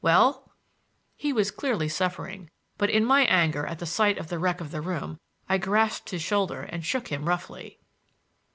Well—?" He was clearly suffering, but in my anger at the sight of the wreck of the room I grasped his shoulder and shook him roughly.